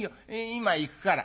今行くから。